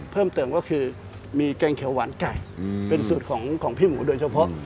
เพิ่มเติมก็คือมีแกงเขียวหวานไก่เป็นสูตรของพี่หมูโดยเฉพาะ